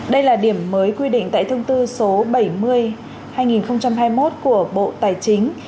đây là điểm mới quy định tại thông tư số bảy mươi hai nghìn hai mươi một của bộ tài chính